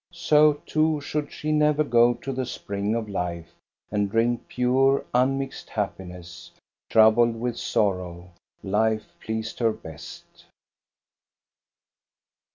So too should she never go to the spring of life and drink pure, unmixed happiness. Troubled with sorrow, life pleased her best.